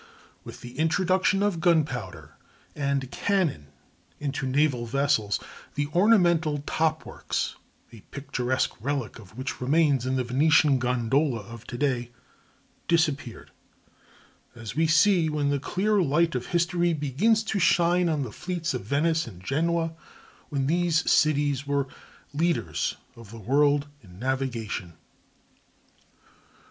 ] With the introduction of gunpowder and cannon into naval vessels, the ornamental top works—a picturesque relic of which remains in the Venetian gondola of to day—disappeared, as we see when the clear light of history begins to shine on the fleets of Venice and Genoa, when these cities were leaders of the world in navigation.